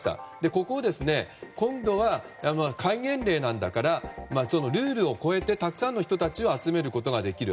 ここを、今度は戒厳令なんだからルールを超えてたくさんの人たちを集めることができる。